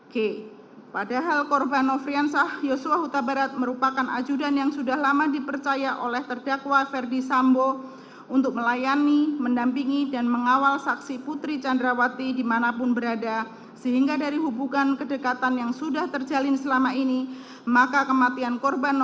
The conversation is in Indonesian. g padahal korban nofrian sahyoswa hutabarat merupakan ajudan yang sudah lama dipertimbangkan